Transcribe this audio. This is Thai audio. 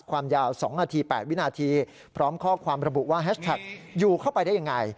ความยาวสองอาทิตย์แปดวินาทีพร้อมข้อความระบุว่าอยู่เข้าไปได้ยังไง